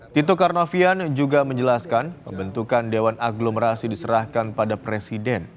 tito karnavian juga menjelaskan pembentukan dewan aglomerasi diserahkan pada presiden